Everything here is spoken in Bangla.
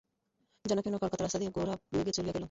জনাকীর্ণ কলিকাতার রাস্তা দিয়া গোরা বেগে চলিয়া গেল।